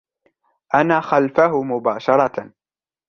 أنا خلفه مباشرة.